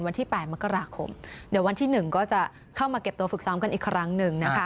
วันที่๘มกราคมเดี๋ยววันที่๑ก็จะเข้ามาเก็บตัวฝึกซ้อมกันอีกครั้งหนึ่งนะคะ